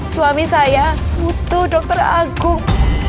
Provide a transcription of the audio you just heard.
suami saya butuh dokter agung